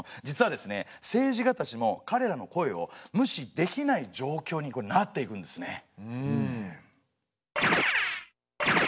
実は政治家たちもかれらの声を無視できない状況になっていくんですね。